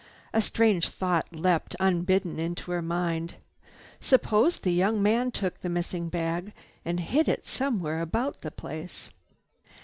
A strange thought leaped unbidden into her mind. "Supposing the young man took the missing bag and hid it somewhere about the place?